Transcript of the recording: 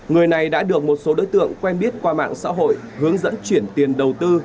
người này đã được một số đối tượng quen biết qua mạng xã hội hướng dẫn chuyển tiền đầu tư